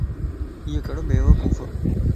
ايو ڪيڙو بيوقوفَ